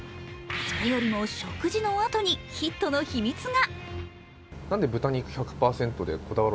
それよりも食事のあとにヒットの秘密が。